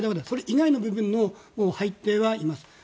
それ以外の部分は入ってはいます。